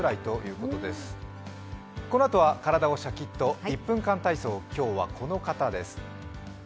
このあとは体をシャッキッと、１分間体操、今日はこの方です。